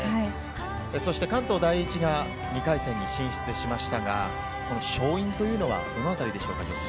関東第一が２回戦に進出しましたが、勝因というのはどのあたりでしょうか？